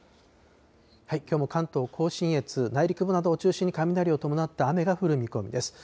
きょうも関東甲信越、内陸部などを中心に雷を伴った雨が降る見込みです。